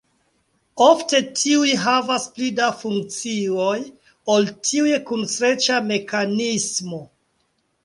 Ofte tiuj havas pli da funkcioj ol tiuj kun streĉa mekanismo.